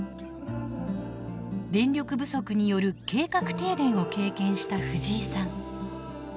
電力不足による計画停電を経験したフジイさん。